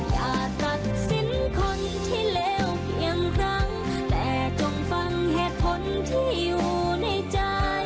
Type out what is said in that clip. อย่าตัดสินคนที่แล้วเพียงครั้งแต่จงฟังเหตุผลที่อยู่ในใจ